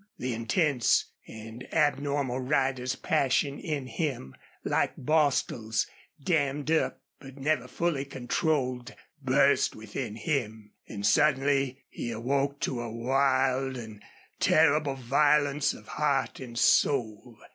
The intense and abnormal rider's passion in him, like Bostil's, dammed up, but never fully controlled, burst within him, and suddenly he awoke to a wild and terrible violence of heart and soul.